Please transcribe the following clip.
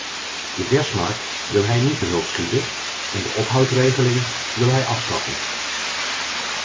De versmarkt wil hij niet te hulp schieten en de ophoudregeling wil hij afschaffen.